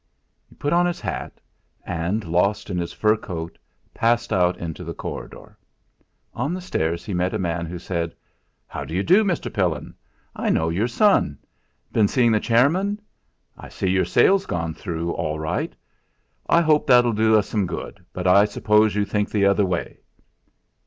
He put on his hat, and, lost in his fur coat, passed out into the corridor. On the stairs he met a man who said: "How do you do, Mr. Pillin? I know your son. Been' seeing the chairman? I see your sale's gone through all right. I hope that'll do us some good, but I suppose you think the other way?"